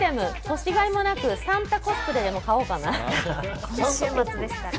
年甲斐もなくサンタコスプレでも買おうかな。